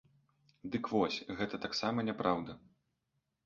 Дык вось, гэта таксама няпраўда.